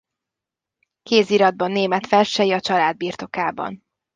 Kéziratban német versei a család birtokában.